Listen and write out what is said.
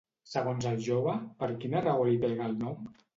Segons el jove, per quina raó li pega el nom?